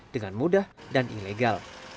dengan mudah dan ilegal